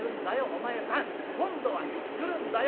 お前さん。今度はいつ来るんだよ